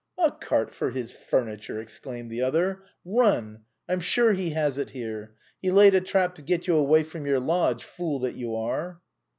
" A cart for his furniture !" exclaimed the other ;" run ! I'm sure he has it here. He laid a trap to get you away from your lodge, fool that you are